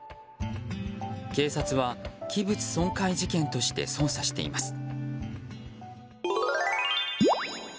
警察は、器物損壊事件として捜査しています。